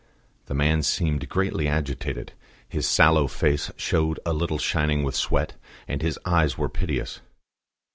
The man seemed greatly agitated; his sallow face showed a little shining with sweat, and his eyes were piteous.